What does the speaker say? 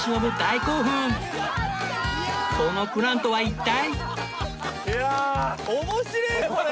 そのプランとは一体？